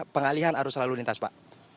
pengalihan arus lalu lintas pak